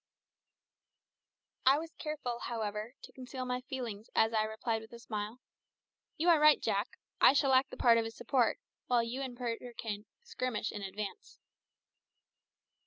I was careful, however, to conceal my feelings as I replied with a smile "You are right, Jack. I shall act the part of a support, while you and Peterkin skirmish in advance."